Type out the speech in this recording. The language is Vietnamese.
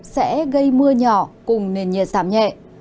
sẽ gây mưa nhỏ cùng nền nhiệt giảm nhẹ